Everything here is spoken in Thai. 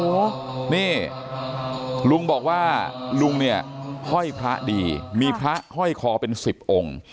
โอ้โหนี่ลุงบอกว่าลุงเนี่ยห้อยพระดีมีพระห้อยคอเป็นสิบองค์